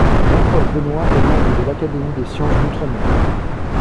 Jean-Paul Benoit est membre de l'Académie des Sciences d'Outre-Mer.